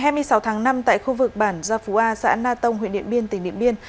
ngày hai mươi sáu tháng năm tại khu vực bản gia phú a xã na tông huyện điện biên tỉnh điện biên